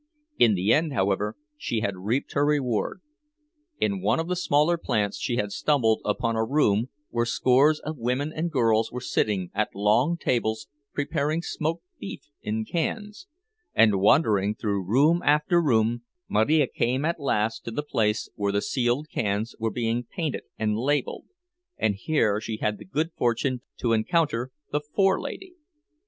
In the end, however, she had reaped her reward. In one of the smaller plants she had stumbled upon a room where scores of women and girls were sitting at long tables preparing smoked beef in cans; and wandering through room after room, Marija came at last to the place where the sealed cans were being painted and labeled, and here she had the good fortune to encounter the "forelady."